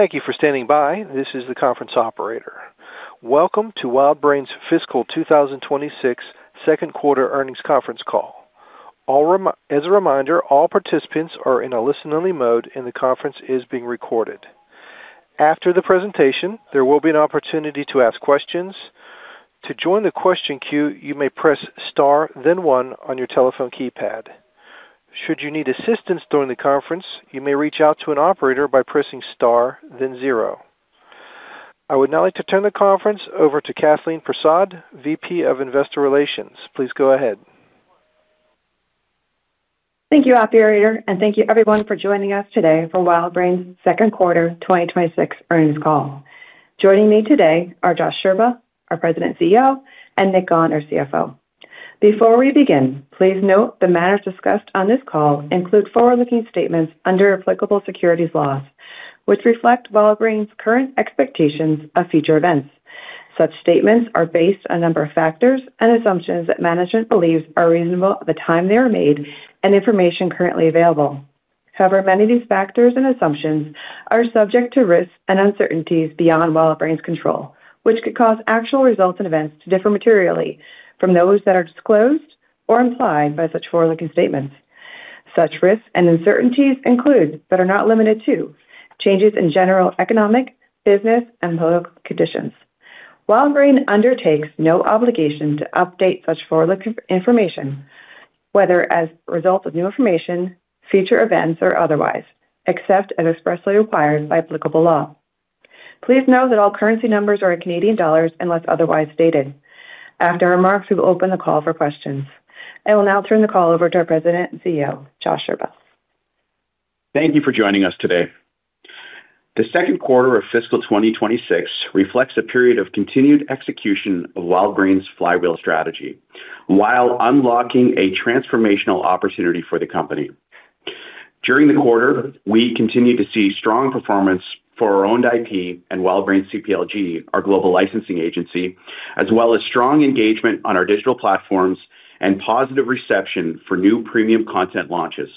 Thank you for standing by. This is the conference operator. Welcome to WildBrain's Fiscal 2026 second quarter earnings conference call. As a reminder, all participants are in a listen-only mode, and the conference is being recorded. After the presentation, there will be an opportunity to ask questions. To join the question queue, you may press Star, then one on your telephone keypad. Should you need assistance during the conference, you may reach out to an operator by pressing Star, then zero. I would now like to turn the conference over to Kathleen Persaud, VP of Investor Relations. Please go ahead. Thank you, operator, and thank you, everyone, for joining us today for WildBrain's second quarter 2026 earnings call. Joining me today are Josh Scherba, our President CEO, and Nick Gawne, our CFO. Before we begin, please note the matters discussed on this call include forward-looking statements under applicable securities laws, which reflect WildBrain's current expectations of future events. Such statements are based on a number of factors and assumptions that management believes are reasonable at the time they are made and information currently available. However, many of these factors and assumptions are subject to risks and uncertainties beyond WildBrain's control, which could cause actual results and events to differ materially from those that are disclosed or implied by such forward-looking statements. Such risks and uncertainties include, but are not limited to, changes in general economic, business, and political conditions. WildBrain undertakes no obligation to update such forward-looking information, whether as a result of new information, future events, or otherwise, except as expressly required by applicable law. Please note that all currency numbers are in Canadian dollars unless otherwise stated. After our remarks, we will open the call for questions. I will now turn the call over to our President and CEO, Josh Scherba. Thank you for joining us today. The second quarter of fiscal 2026 reflects a period of continued execution of WildBrain's Flywheel strategy while unlocking a transformational opportunity for the company. During the quarter, we continued to see strong performance for our owned IP and WildBrain CPLG, our global licensing agency, as well as strong engagement on our digital platforms and positive reception for new premium content launches.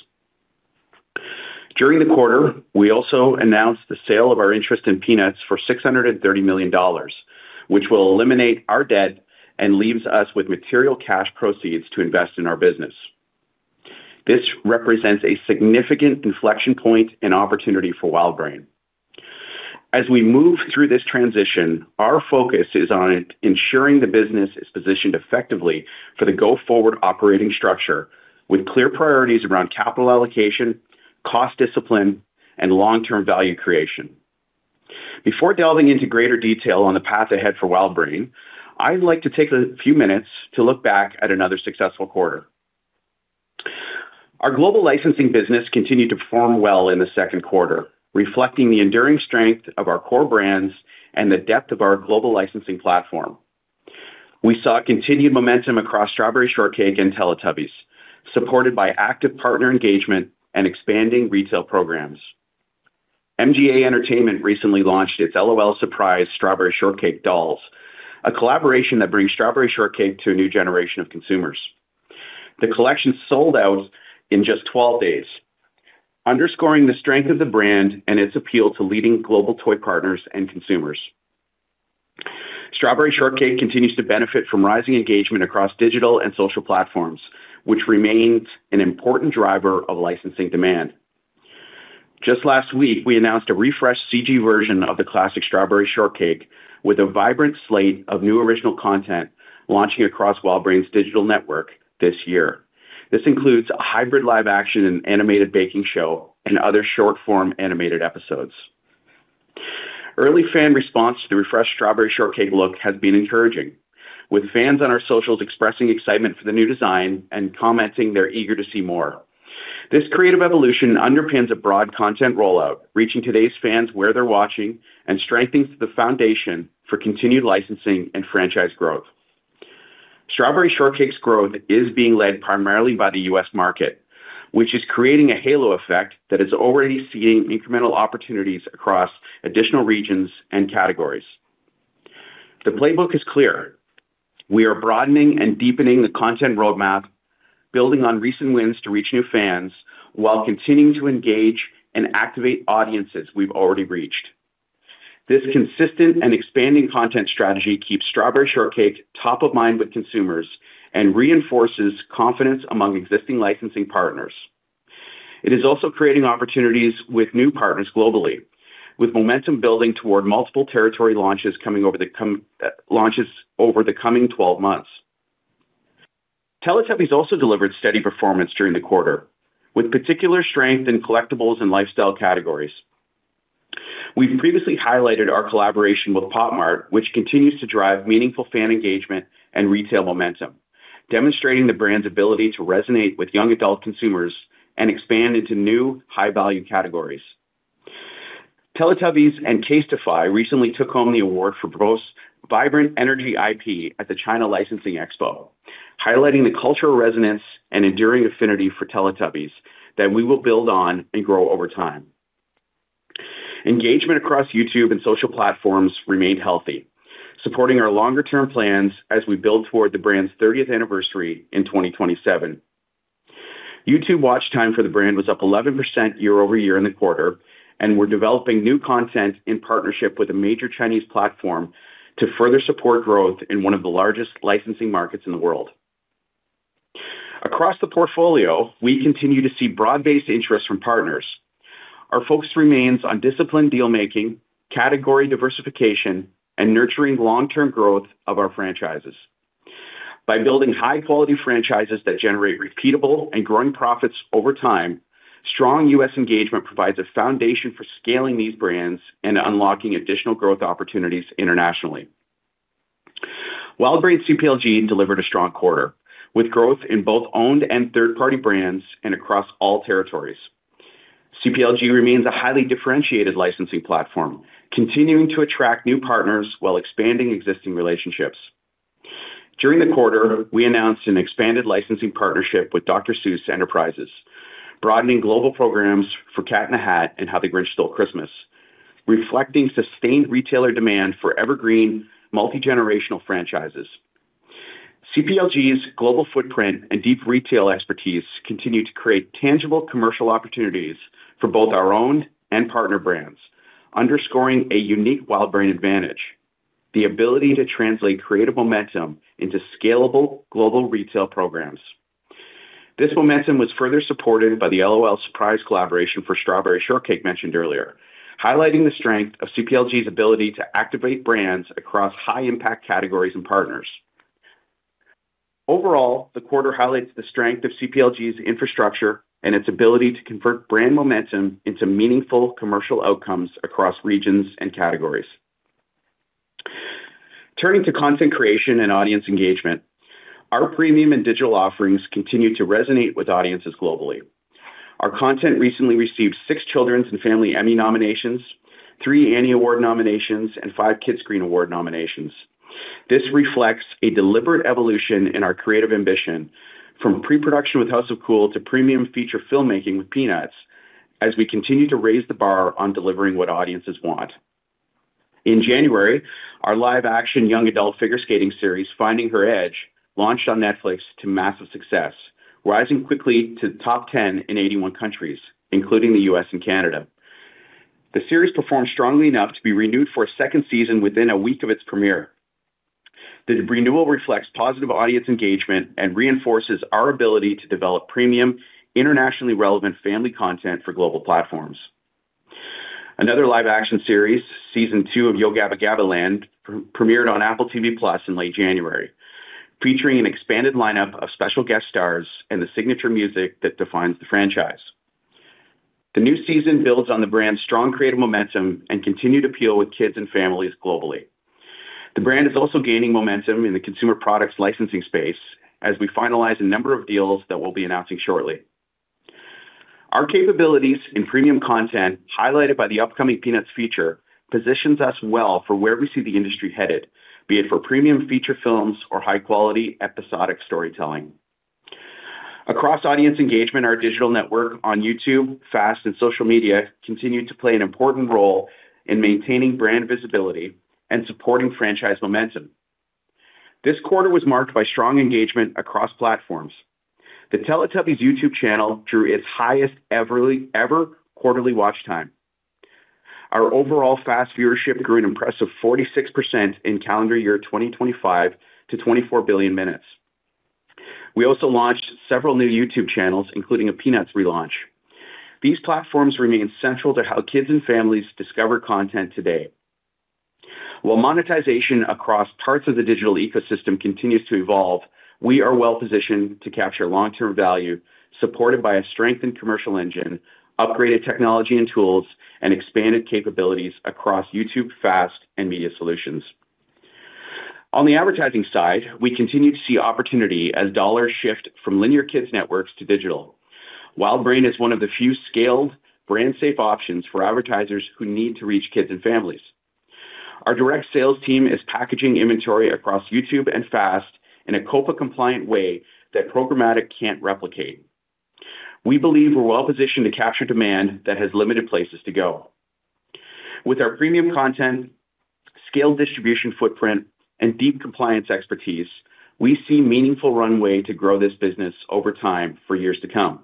During the quarter, we also announced the sale of our interest in Peanuts for $630 million, which will eliminate our debt and leaves us with material cash proceeds to invest in our business. This represents a significant inflection point and opportunity for WildBrain. As we move through this transition, our focus is on ensuring the business is positioned effectively for the go-forward operating structure with clear priorities around capital allocation, cost discipline, and long-term value creation. Before delving into greater detail on the path ahead for WildBrain, I'd like to take a few minutes to look back at another successful quarter. Our global licensing business continued to perform well in the second quarter, reflecting the enduring strength of our core brands and the depth of our global licensing platform. We saw continued momentum across Strawberry Shortcake and Teletubbies, supported by active partner engagement and expanding retail programs. MGA Entertainment recently launched its L.O.L. Surprise! Strawberry Shortcake Dolls, a collaboration that brings Strawberry Shortcake to a new generation of consumers. The collection sold out in just 12 days, underscoring the strength of the brand and its appeal to leading global toy partners and consumers. Strawberry Shortcake continues to benefit from rising engagement across digital and social platforms, which remains an important driver of licensing demand. Just last week, we announced a refreshed CG version of the classic Strawberry Shortcake with a vibrant slate of new original content launching across WildBrain's digital network this year. This includes a hybrid live-action and animated baking show and other short-form animated episodes. Early fan response to the refreshed Strawberry Shortcake look has been encouraging, with fans on our socials expressing excitement for the new design and commenting they're eager to see more. This creative evolution underpins a broad content rollout, reaching today's fans where they're watching and strengthens the foundation for continued licensing and franchise growth. Strawberry Shortcake's growth is being led primarily by the US market, which is creating a halo effect that is already seeing incremental opportunities across additional regions and categories. The playbook is clear: we are broadening and deepening the content roadmap, building on recent wins to reach new fans while continuing to engage and activate audiences we've already reached. This consistent and expanding content strategy keeps Strawberry Shortcake top of mind with consumers and reinforces confidence among existing licensing partners. It is also creating opportunities with new partners globally, with momentum building toward multiple territory launches over the coming twelve months. Teletubbies also delivered steady performance during the quarter, with particular strength in collectibles and lifestyle categories. We've previously highlighted our collaboration with Pop Mart, which continues to drive meaningful fan engagement and retail momentum, demonstrating the brand's ability to resonate with young adult consumers and expand into new, high-value categories. Teletubbies and CASETiFY recently took home the award for Most Vibrant Eenergy IP at the China Licensing Expo, highlighting the cultural resonance and enduring affinity for Teletubbies that we will build on and grow over time. Engagement across YouTube and social platforms remained healthy, supporting our longer-term plans as we build toward the brand's thirtieth anniversary in 2027. YouTube watch time for the brand was up 11% year-over-year in the quarter, and we're developing new content in partnership with a major Chinese platform to further support growth in one of the largest licensing markets in the world. Across the portfolio, we continue to see broad-based interest from partners. Our focus remains on disciplined deal-making, category diversification, and nurturing long-term growth of our franchises. By building high-quality franchises that generate repeatable and growing profits over time, strong U.S. engagement provides a foundation for scaling these brands and unlocking additional growth opportunities internationally. WildBrain CPLG delivered a strong quarter, with growth in both owned and third-party brands and across all territories. CPLG remains a highly differentiated licensing platform, continuing to attract new partners while expanding existing relationships. During the quarter, we announced an expanded licensing partnership with Dr. Seuss Enterprises, broadening global programs for Cat in the Hat and How the Grinch Stole Christmas, reflecting sustained retailer demand for evergreen, multigenerational franchises. CPLG's global footprint and deep retail expertise continue to create tangible commercial opportunities for both our own and partner brands, underscoring a unique WildBrain advantage: the ability to translate creative momentum into scalable global retail programs. This momentum was further supported by the L.O.L. Surprise! collaboration for Strawberry Shortcake mentioned earlier, highlighting the strength of CPLG's ability to activate brands across high-impact categories and partners. Overall, the quarter highlights the strength of CPLG's infrastructure and its ability to convert brand momentum into meaningful commercial outcomes across regions and categories. Turning to content creation and audience engagement, our premium and digital offerings continue to resonate with audiences globally. Our content recently received six Children's and Family Emmy nominations, three Annie Award nominations, and five Kidscreen Award nominations. This reflects a deliberate evolution in our creative ambition, from pre-production with House of Cool to premium feature filmmaking with Peanuts, as we continue to raise the bar on delivering what audiences want. In January, our live-action young adult figure skating series, Finding Her Edge, launched on Netflix to massive success, rising quickly to the top 10 in 81 countries, including the U.S. and Canada. The series performed strongly enough to be renewed for a second season within a week of its premiere. The renewal reflects positive audience engagement and reinforces our ability to develop premium, internationally relevant family content for global platforms. Another live-action series, Season 2 of Yo Gabba GabbaLand!, premiered on Apple TV+ in late January, featuring an expanded lineup of special guest stars and the signature music that defines the franchise. The new season builds on the brand's strong creative momentum and continued appeal with kids and families globally. The brand is also gaining momentum in the consumer products licensing space as we finalize a number of deals that we'll be announcing shortly. Our capabilities in premium content, highlighted by the upcoming Peanuts feature, positions us well for where we see the industry headed, be it for premium feature films or high-quality episodic storytelling. Across audience engagement, our digital network on YouTube, FAST, and social media continue to play an important role in maintaining brand visibility and supporting franchise momentum. This quarter was marked by strong engagement across platforms. The Teletubbies YouTube channel drew its highest ever quarterly watch time. Our overall FAST viewership grew an impressive 46% in calendar year 2025 to 24 billion minutes. We also launched several new YouTube channels, including a Peanuts relaunch. These platforms remain central to how kids and families discover content today. While monetization across parts of the digital ecosystem continues to evolve, we are well positioned to capture long-term value, supported by a strengthened commercial engine, upgraded technology and tools, and expanded capabilities across YouTube, FAST, and media solutions. On the advertising side, we continue to see opportunity as dollars shift from linear kids networks to digital. WildBrain is one of the few scaled, brand-safe options for advertisers who need to reach kids and families. Our direct sales team is packaging inventory across YouTube and FAST in a COPPA-compliant way that programmatic can't replicate. We believe we're well positioned to capture demand that has limited places to go. With our premium content, scaled distribution footprint, and deep compliance expertise, we see meaningful runway to grow this business over time for years to come.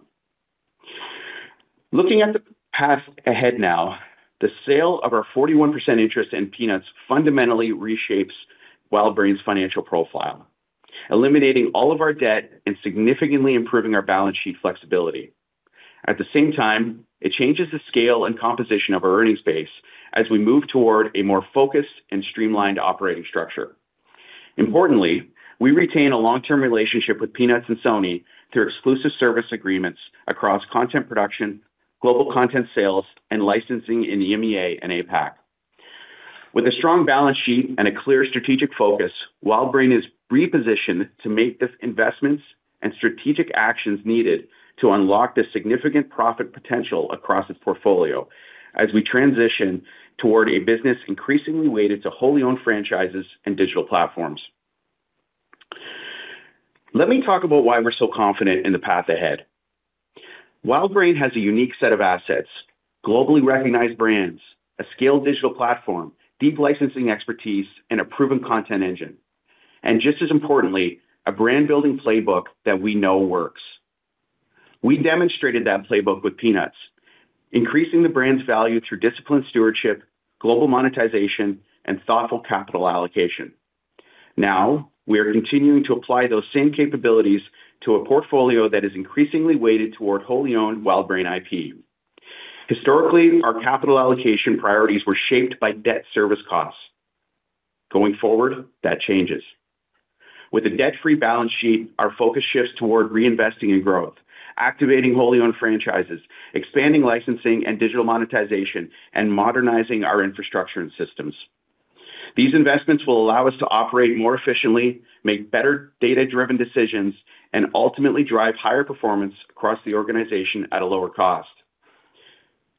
Looking at the path ahead now, the sale of our 41% interest in Peanuts fundamentally reshapes WildBrain's financial profile, eliminating all of our debt and significantly improving our balance sheet flexibility. At the same time, it changes the scale and composition of our earnings base as we move toward a more focused and streamlined operating structure. Importantly, we retain a long-term relationship with Peanuts and Sony through exclusive service agreements across content production, global content sales, and licensing in the EMEA and APAC. With a strong balance sheet and a clear strategic focus, WildBrain is repositioned to make the investments and strategic actions needed to unlock the significant profit potential across its portfolio as we transition toward a business increasingly weighted to wholly owned franchises and digital platforms. Let me talk about why we're so confident in the path ahead. WildBrain has a unique set of assets, globally recognized brands, a scaled digital platform, deep licensing expertise, and a proven content engine... and just as importantly, a brand building playbook that we know works. We demonstrated that playbook with Peanuts, increasing the brand's value through disciplined stewardship, global monetization, and thoughtful capital allocation. Now, we are continuing to apply those same capabilities to a portfolio that is increasingly weighted toward wholly owned WildBrain IP. Historically, our capital allocation priorities were shaped by debt service costs. Going forward, that changes. With a debt-free balance sheet, our focus shifts toward reinvesting in growth, activating wholly owned franchises, expanding licensing and digital monetization, and modernizing our infrastructure and systems. These investments will allow us to operate more efficiently, make better data-driven decisions, and ultimately drive higher performance across the organization at a lower cost.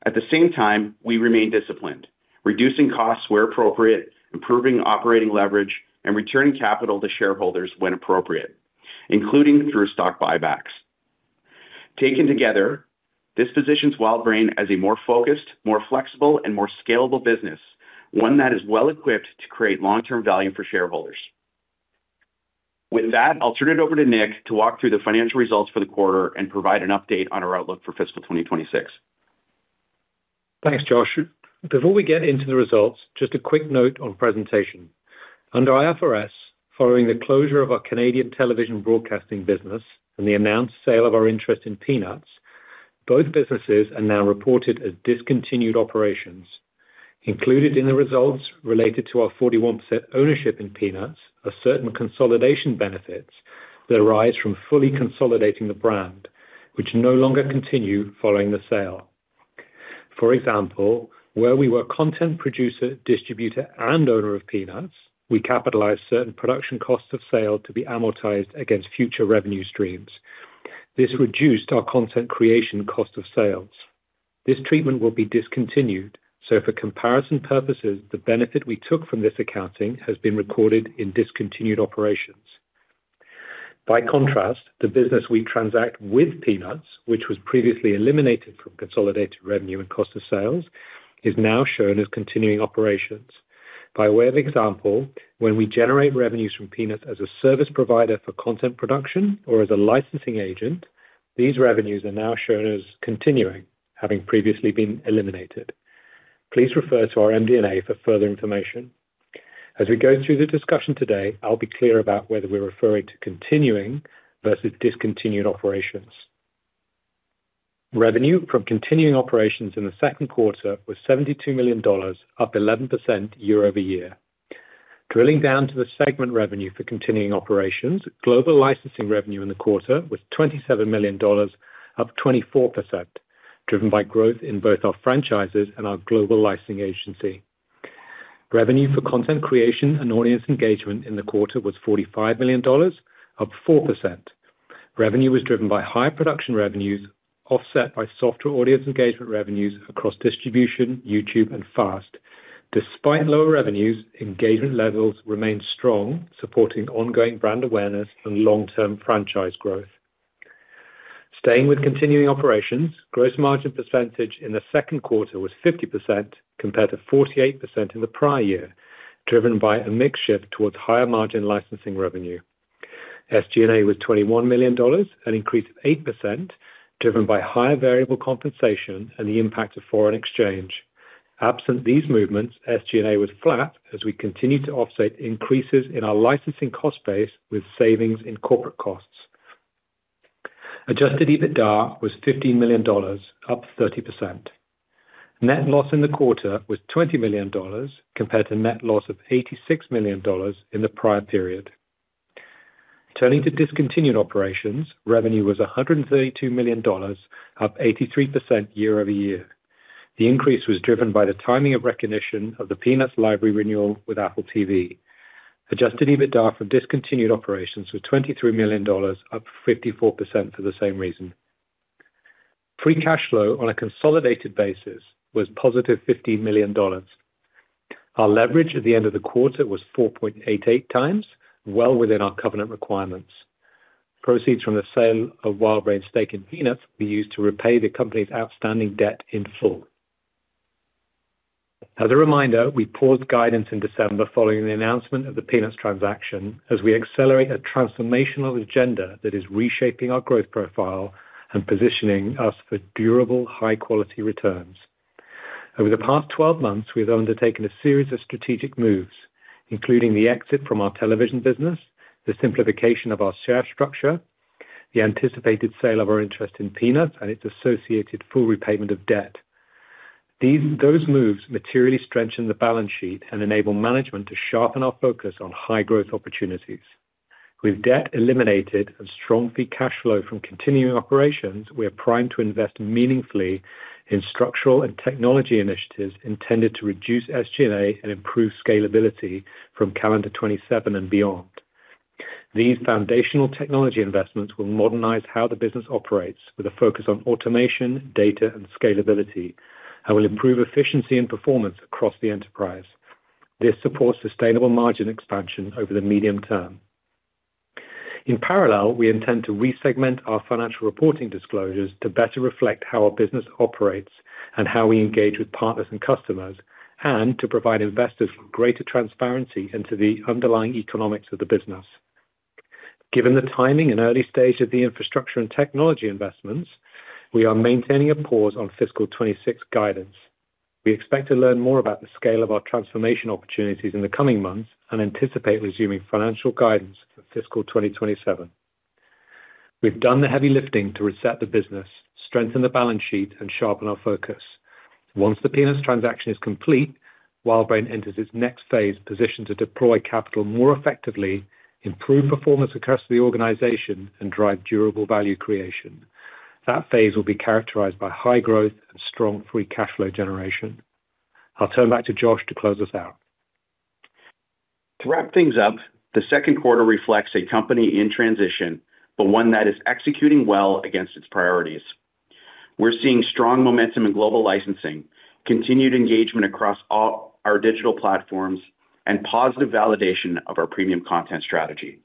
At the same time, we remain disciplined, reducing costs where appropriate, improving operating leverage, and returning capital to shareholders when appropriate, including through stock buybacks. Taken together, this positions WildBrain as a more focused, more flexible, and more scalable business, one that is well-equipped to create long-term value for shareholders. With that, I'll turn it over to Nick to walk through the financial results for the quarter and provide an update on our outlook for fiscal 2026. Thanks, Josh. Before we get into the results, just a quick note on presentation. Under IFRS, following the closure of our Canadian television broadcasting business and the announced sale of our interest in Peanuts, both businesses are now reported as discontinued operations. Included in the results related to our 41% ownership in Peanuts are certain consolidation benefits that arise from fully consolidating the brand, which no longer continue following the sale. For example, where we were content producer, distributor, and owner of Peanuts, we capitalized certain production costs of sale to be amortized against future revenue streams. This reduced our content creation cost of sales. This treatment will be discontinued, so for comparison purposes, the benefit we took from this accounting has been recorded in discontinued operations. By contrast, the business we transact with Peanuts, which was previously eliminated from consolidated revenue and cost of sales, is now shown as continuing operations. By way of example, when we generate revenues from Peanuts as a service provider for content production or as a licensing agent, these revenues are now shown as continuing, having previously been eliminated. Please refer to our MD&A for further information. As we go through the discussion today, I'll be clear about whether we're referring to continuing versus discontinued operations. Revenue from continuing operations in the second quarter was 72 million dollars, up 11% year-over-year. Drilling down to the segment revenue for continuing operations, global licensing revenue in the quarter was 27 million dollars, up 24%, driven by growth in both our franchises and our global licensing agency. Revenue for content creation and audience engagement in the quarter was 45 million dollars, up 4%. Revenue was driven by higher production revenues, offset by softer audience engagement revenues across distribution, YouTube, and FAST. Despite lower revenues, engagement levels remained strong, supporting ongoing brand awareness and long-term franchise growth. Staying with continuing operations, gross margin percentage in the second quarter was 50%, compared to 48% in the prior year, driven by a mix shift towards higher margin licensing revenue. SG&A was 21 million dollars, an increase of 8%, driven by higher variable compensation and the impact of foreign exchange. Absent these movements, SG&A was flat as we continued to offset increases in our licensing cost base with savings in corporate costs. Adjusted EBITDA was 15 million dollars, up 30%. Net loss in the quarter was 20 million dollars, compared to net loss of 86 million dollars in the prior period. Turning to discontinued operations, revenue was 132 million dollars, up 83% year-over-year. The increase was driven by the timing of recognition of the Peanuts library renewal with Apple TV. Adjusted EBITDA from discontinued operations was 23 million dollars, up 54% for the same reason. Free cash flow on a consolidated basis was positive 15 million dollars. Our leverage at the end of the quarter was 4.88 times, well within our covenant requirements. Proceeds from the sale of WildBrain's stake in Peanuts will be used to repay the company's outstanding debt in full. As a reminder, we paused guidance in December following the announcement of the Peanuts transaction as we accelerate a transformational agenda that is reshaping our growth profile and positioning us for durable, high-quality returns. Over the past 12 months, we have undertaken a series of strategic moves, including the exit from our television business, the simplification of our share structure, the anticipated sale of our interest in Peanuts, and its associated full repayment of debt. Those moves materially strengthen the balance sheet and enable management to sharpen our focus on high growth opportunities. With debt eliminated and strong free cash flow from continuing operations, we are primed to invest meaningfully in structural and technology initiatives intended to reduce SG&A and improve scalability from calendar 2027 and beyond. These foundational technology investments will modernize how the business operates, with a focus on automation, data, and scalability, and will improve efficiency and performance across the enterprise. This supports sustainable margin expansion over the medium term. In parallel, we intend to resegment our financial reporting disclosures to better reflect how our business operates and how we engage with partners and customers, and to provide investors with greater transparency into the underlying economics of the business. Given the timing and early stage of the infrastructure and technology investments, we are maintaining a pause on fiscal 2026 guidance. We expect to learn more about the scale of our transformation opportunities in the coming months and anticipate resuming financial guidance for fiscal 2027. We've done the heavy lifting to reset the business, strengthen the balance sheet and sharpen our focus. Once the Peanuts transaction is complete, WildBrain enters its next phase, positioned to deploy capital more effectively, improve performance across the organization, and drive durable value creation. That phase will be characterized by high growth and strong free cash flow generation. I'll turn back to Josh to close us out. To wrap things up, the second quarter reflects a company in transition, but one that is executing well against its priorities. We're seeing strong momentum in global licensing, continued engagement across all our digital platforms, and positive validation of our premium content strategy.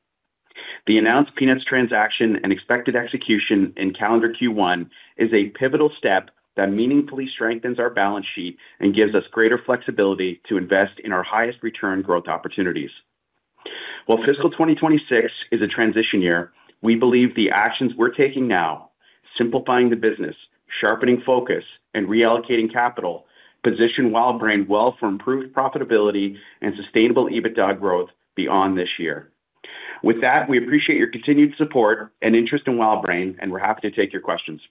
The announced Peanuts transaction and expected execution in calendar Q1 is a pivotal step that meaningfully strengthens our balance sheet and gives us greater flexibility to invest in our highest return growth opportunities. While fiscal 2026 is a transition year, we believe the actions we're taking now, simplifying the business, sharpening focus, and reallocating capital, position WildBrain well for improved profitability and sustainable EBITDA growth beyond this year. With that, we appreciate your continued support and interest in WildBrain, and we're happy to take your questions.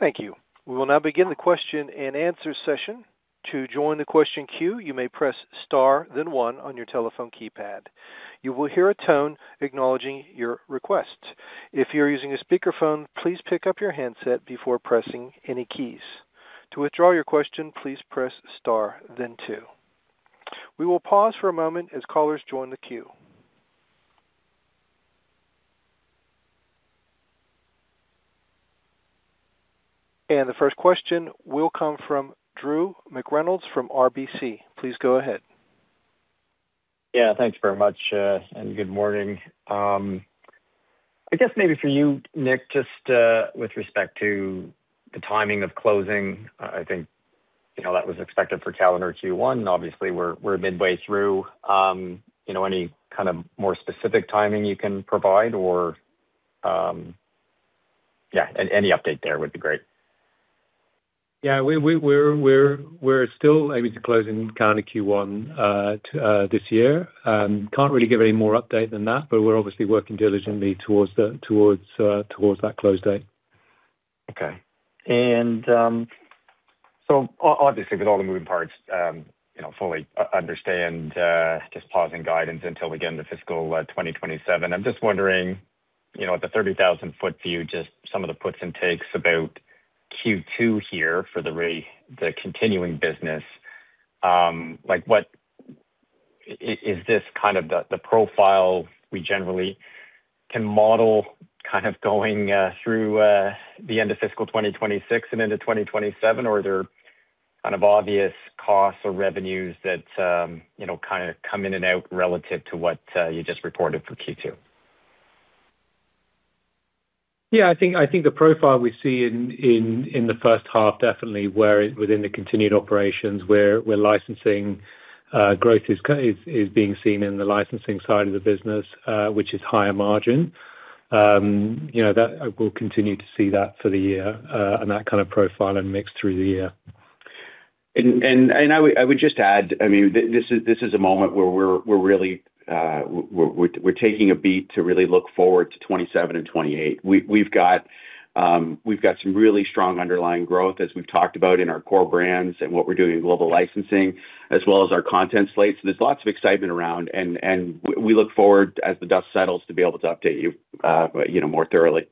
Thank you. We will now begin the question-and-answer session. To join the question queue, you may press star, then one on your telephone keypad. You will hear a tone acknowledging your request. If you're using a speakerphone, please pick up your handset before pressing any keys. To withdraw your question, please press star then two. We will pause for a moment as callers join the queue. The first question will come from Drew McReynolds from RBC. Please go ahead. Yeah, thanks very much, and good morning. I guess maybe for you, Nick, just, with respect to the timing of closing, I think, you know, that was expected for calendar Q1. Obviously, we're midway through. You know, any kind of more specific timing you can provide or... Yeah, any update there would be great. Yeah, we're still aiming to close in calendar Q1 this year. Can't really give any more update than that, but we're obviously working diligently towards that close date. Okay. And, so obviously, with all the moving parts, you know, fully understand just pausing guidance until again, the fiscal 2027. I'm just wondering, you know, at the 30,000-foot view, just some of the puts and takes about Q2 here for the the continuing business. Like, what... Is this kind of the, the profile we generally can model, kind of going through the end of fiscal 2026 and into 2027, or are there kind of obvious costs or revenues that, you know, kind of come in and out relative to what you just reported for Q2? Yeah, I think the profile we see in the first half definitely where within the continued operations, where we're licensing growth is being seen in the licensing side of the business, which is higher margin. You know, that we'll continue to see that for the year, and that kind of profile and mix through the year. I would just add, I mean, this is a moment where we're really taking a beat to really look forward to 2027 and 2028. We've got some really strong underlying growth, as we've talked about in our core brands and what we're doing in global licensing, as well as our content slate. So there's lots of excitement around, and we look forward as the dust settles, to be able to update you, you know, more thoroughly.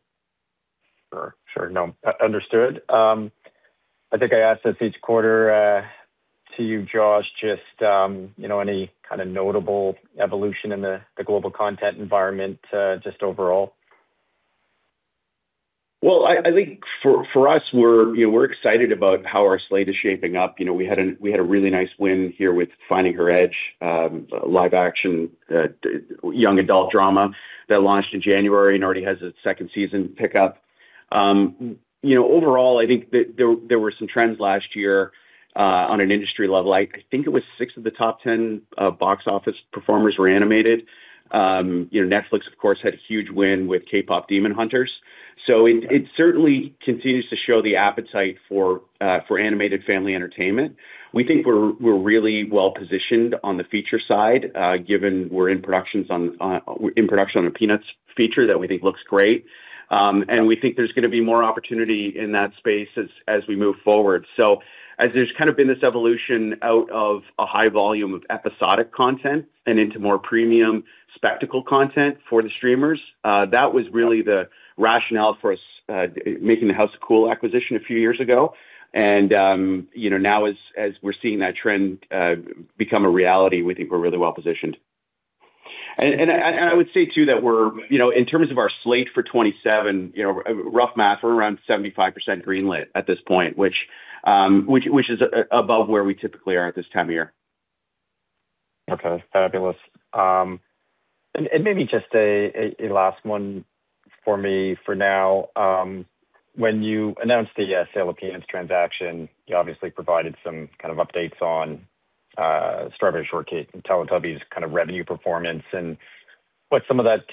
Sure, sure. No, understood. I think I ask this each quarter to you, Josh, just you know, any kind of notable evolution in the global content environment just overall? Well, I think for us, we're, you know, we're excited about how our slate is shaping up. You know, we had a really nice win here with Finding Her Edge, live-action young adult drama that launched in January and already has its second season pickup. You know, overall, I think there were some trends last year on an industry level. I think it was 6 of the top 10 box office performers were animated. You know, Netflix, of course, had a huge win with K-pop: Demon Hunters. So it certainly continues to show the appetite for animated family entertainment. We think we're really well-positioned on the feature side, given we're in production on the Peanuts feature that we think looks great. And we think there's going to be more opportunity in that space as we move forward. So as there's kind of been this evolution out of a high volume of episodic content and into more premium spectacle content for the streamers, that was really the rationale for us making the House of Cool acquisition a few years ago. And you know, now, as we're seeing that trend become a reality, we think we're really well positioned. And I would say, too, that we're you know, in terms of our slate for 2027, you know, rough math, we're around 75% greenlit at this point, which is above where we typically are at this time of year.... Okay, fabulous. Maybe just a last one for me for now. When you announced the sale of Peanuts transaction, you obviously provided some kind of updates on Strawberry Shortcake and Teletubbies kind of revenue performance and what some of that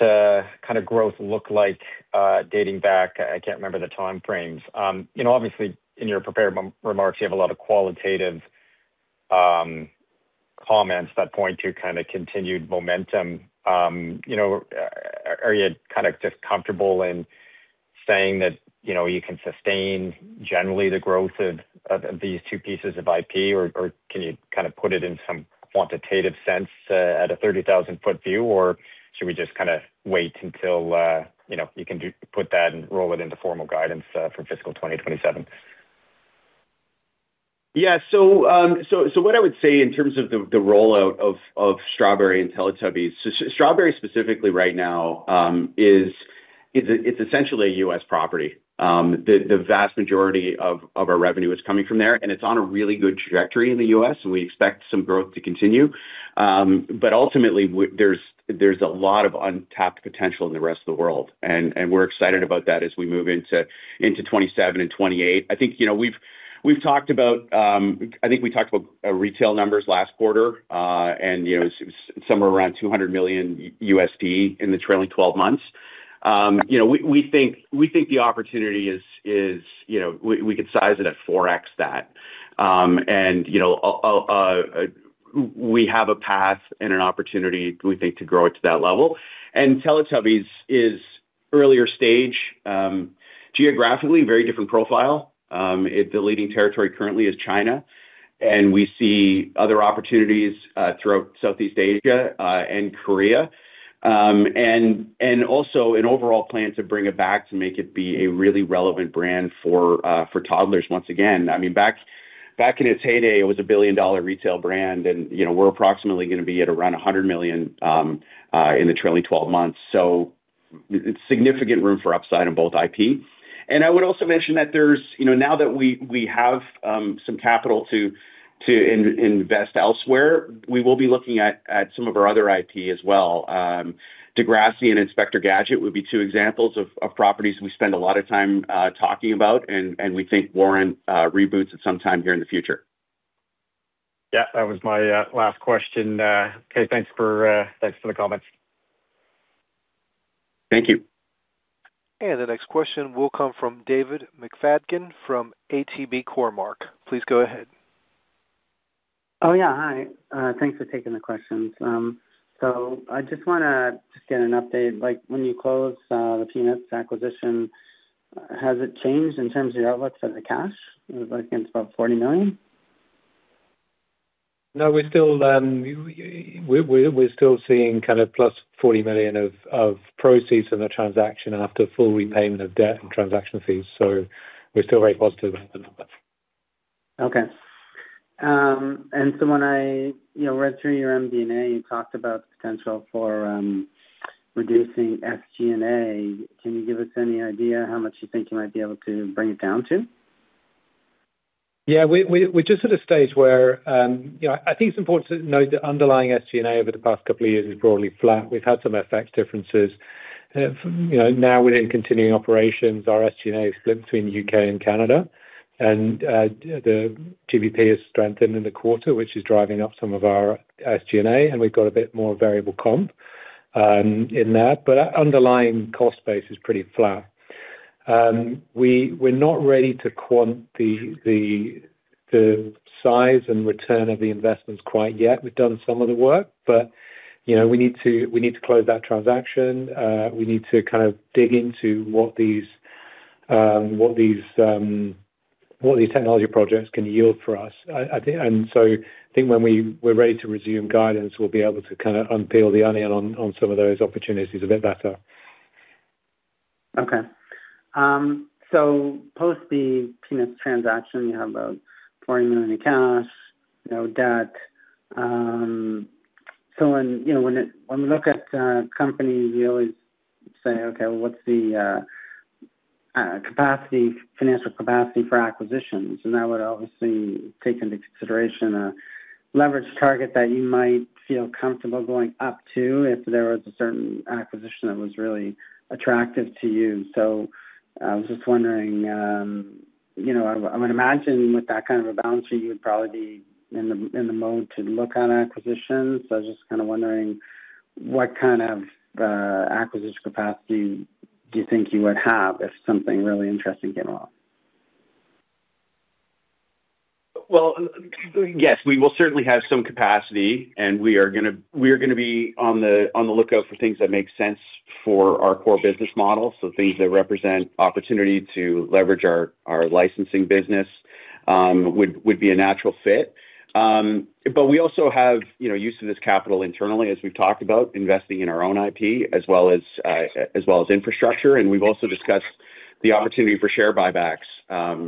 kind of growth looked like, dating back... I can't remember the time frames. You know, obviously, in your prepared remarks, you have a lot of qualitative comments that point to kind of continued momentum. You know, are you kind of just comfortable in saying that, you know, you can sustain generally the growth of these two pieces of IP? Or can you kind of put it in some quantitative sense, at a 30,000-foot view? Or should we just kind of wait until, you know, you can put that and roll it into formal guidance, for fiscal 2027? Yeah. So, what I would say in terms of the rollout of Strawberry and Teletubbies. Strawberry, specifically right now, is, it's essentially a U.S. property. The vast majority of our revenue is coming from there, and it's on a really good trajectory in the U.S., and we expect some growth to continue. But ultimately, there's a lot of untapped potential in the rest of the world, and we're excited about that as we move into 2027 and 2028. I think, you know, we've talked about. I think we talked about retail numbers last quarter, and, you know, it was somewhere around $200 million in the trailing twelve months. You know, we think the opportunity is, you know, we could size it at 4x that. And, you know, we have a path and an opportunity, we think, to grow it to that level. And Teletubbies is earlier stage, geographically, very different profile. The leading territory currently is China, and we see other opportunities throughout Southeast Asia and Korea. And also an overall plan to bring it back, to make it be a really relevant brand for toddlers once again. I mean, back in its heyday, it was a billion-dollar retail brand, and, you know, we're approximately gonna be at around $100 million in the trailing twelve months. So it's significant room for upside on both IP. I would also mention that there's, you know, now that we have some capital to invest elsewhere, we will be looking at some of our other IP as well. Degrassi and Inspector Gadget would be two examples of properties we spend a lot of time talking about, and we think warrant reboots at some time here in the future. Yeah, that was my last question. Okay, thanks for, thanks for the comments. Thank you. The next question will come from David McFadgen from ATB Capital Markets. Please go ahead. Oh, yeah. Hi. Thanks for taking the questions. So I just wanna just get an update. Like, when you close the Peanuts acquisition, has it changed in terms of the outlook for the cash? It was, I think, about 40 million. No, we're still seeing kind of +$40 million of proceeds from the transaction after full repayment of debt and transaction fees, so we're still very positive about the numbers. Okay. And so when I, you know, read through your MD&A, you talked about the potential for, reducing SG&A. Can you give us any idea how much you think you might be able to bring it down to? Yeah, we're just at a stage where, you know, I think it's important to note that underlying SG&A over the past couple of years is broadly flat. We've had some FX differences. You know, now within continuing operations, our SG&A is split between UK and Canada, and the GBP has strengthened in the quarter, which is driving up some of our SG&A, and we've got a bit more variable comp in that, but our underlying cost base is pretty flat. We're not ready to quant the size and return of the investments quite yet. We've done some of the work, but, you know, we need to close that transaction. We need to kind of dig into what these technology projects can yield for us. I think when we're ready to resume guidance, we'll be able to kind of unpeel the onion on some of those opportunities a bit better. Okay. So post the Peanuts transaction, you have about 40 million in cash, no debt. So when, you know, when we look at companies, you always say, "Okay, what's the capacity, financial capacity for acquisitions?" And that would obviously take into consideration a leverage target that you might feel comfortable going up to if there was a certain acquisition that was really attractive to you. So I was just wondering, you know, I would imagine with that kind of a balance sheet, you would probably be in the mode to look on acquisitions. So I was just kind of wondering, what kind of acquisition capacity do you think you would have if something really interesting came along? Well, yes, we will certainly have some capacity, and we are gonna be on the lookout for things that make sense for our core business model. So things that represent opportunity to leverage our licensing business would be a natural fit. But we also have, you know, use of this capital internally, as we've talked about, investing in our own IP, as well as infrastructure, and we've also discussed the opportunity for share buybacks,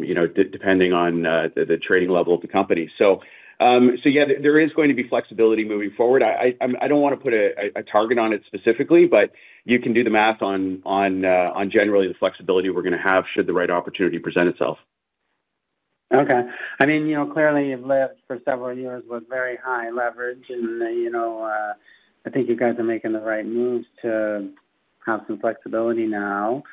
you know, depending on the trading level of the company. So yeah, there is going to be flexibility moving forward. I don't want to put a target on it specifically, but you can do the math on generally the flexibility we're gonna have, should the right opportunity present itself.... Okay. I mean, you know, clearly, you've lived for several years with very high leverage, and, you know, I think you guys are making the right moves to have some flexibility now.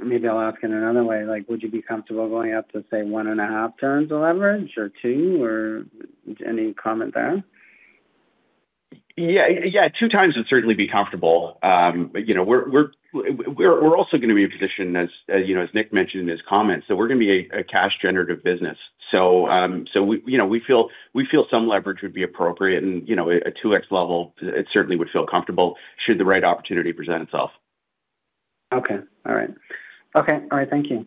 Maybe I'll ask in another way, like, would you be comfortable going up to, say, 1.5 turns of leverage or 2, or any comment there? Yeah. Yeah, 2 times would certainly be comfortable. But, you know, we're also gonna be in a position as you know, as Nick mentioned in his comments, so we're gonna be a cash-generative business. So, you know, we feel some leverage would be appropriate and, you know, a 2x level, it certainly would feel comfortable should the right opportunity present itself. Okay. All right. Okay. All right. Thank you.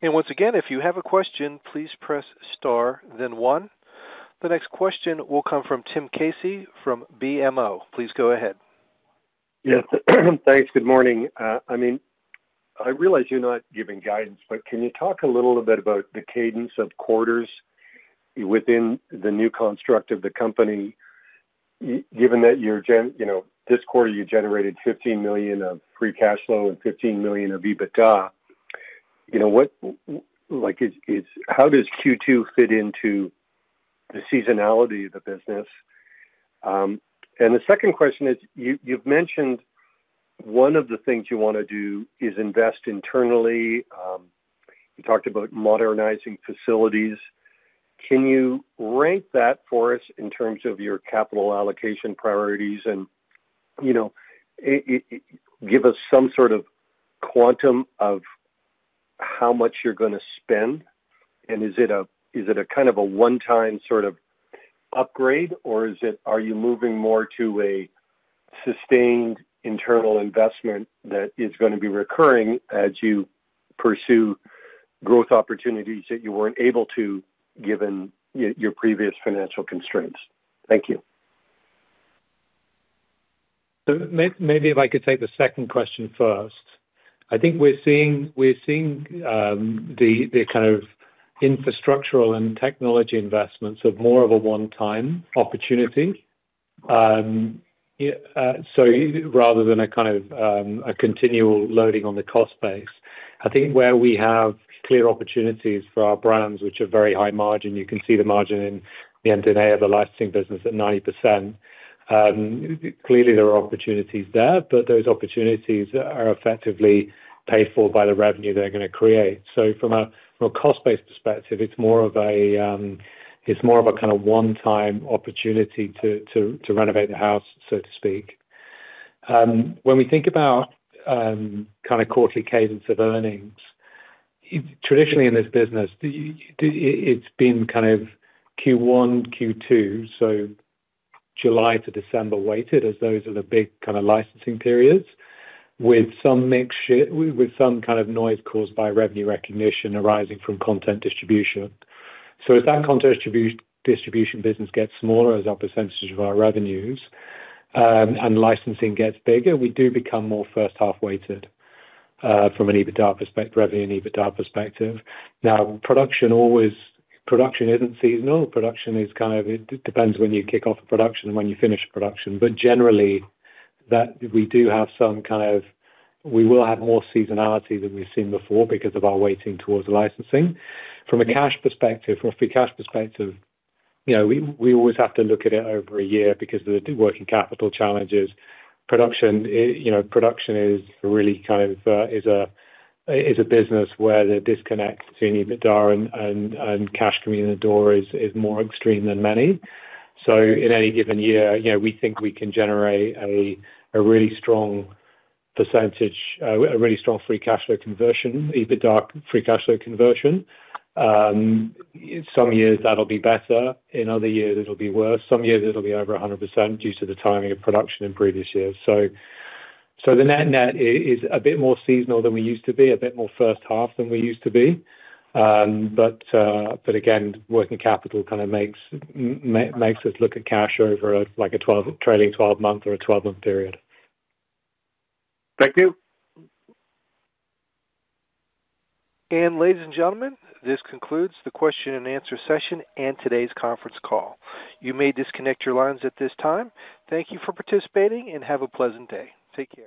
And once again, if you have a question, please press star, then one. The next question will come from Tim Casey, from BMO. Please go ahead. Yes. Thanks. Good morning. I mean, I realize you're not giving guidance, but can you talk a little bit about the cadence of quarters within the new construct of the company, given that you generated 15 million of free cash flow and 15 million of EBITDA. You know, how does Q2 fit into the seasonality of the business? And the second question is, you've mentioned one of the things you wanna do is invest internally. You talked about modernizing facilities. Can you rank that for us in terms of your capital allocation priorities and, you know, give us some sort of quantum of how much you're gonna spend? Is it a kind of a one-time sort of upgrade, or are you moving more to a sustained internal investment that is gonna be recurring as you pursue growth opportunities that you weren't able to, given your previous financial constraints? Thank you. So maybe if I could take the second question first. I think we're seeing the kind of infrastructural and technology investments of more of a one-time opportunity. So rather than a kind of a continual loading on the cost base, I think where we have clear opportunities for our brands, which are very high margin, you can see the margin in the NDA of the licensing business at 90%. Clearly, there are opportunities there, but those opportunities are effectively paid for by the revenue they're gonna create. So from a cost-based perspective, it's more of a kind of one-time opportunity to renovate the house, so to speak. When we think about kind of quarterly cadence of earnings, traditionally in this business, it's been kind of Q1, Q2, so July to December weighted, as those are the big kind of licensing periods, with some mix shift, with some kind of noise caused by revenue recognition arising from content distribution. So as that content distribution business gets smaller as our percentage of our revenues, and licensing gets bigger, we do become more first-half weighted, from an EBITDA perspective, revenue and EBITDA perspective. Now, production isn't seasonal. Production is kind of, it depends when you kick off a production and when you finish a production. But generally, we will have more seasonality than we've seen before because of our weighting towards licensing. From a cash perspective, from a free cash perspective, you know, we always have to look at it over a year because of the working capital challenges. Production, you know, production is really kind of is a business where the disconnect between EBITDA and cash coming in the door is more extreme than many. So in any given year, you know, we think we can generate a really strong percentage, a really strong free cash flow conversion, EBITDA free cash flow conversion. In some years, that'll be better. In other years, it'll be worse. Some years it'll be over 100% due to the timing of production in previous years. So the net net is a bit more seasonal than we used to be, a bit more first half than we used to be. But again, working capital kind of makes us look at cash over a, like a 12, trailing 12-month or a 12-month period. Thank you. Ladies and gentlemen, this concludes the question and answer session and today's conference call. You may disconnect your lines at this time. Thank you for participating, and have a pleasant day. Take care.